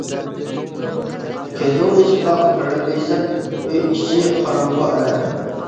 كۆزۈڭنى ئېچىپ باق، كۆرەلمەيسەن ئۆي ئىچى قاراڭغۇ ئەنە.